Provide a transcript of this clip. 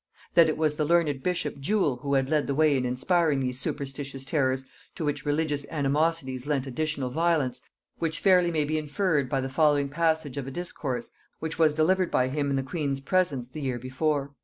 That it was the learned bishop Jewel who had led the way in inspiring these superstitious terrors, to which religious animosities lent additional violence, may fairly be inferred from the following passage of a discourse which was delivered by him in the queen's presence the year before....